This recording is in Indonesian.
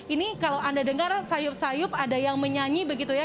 ini kalau anda dengar sayup sayup ada yang menyanyi begitu ya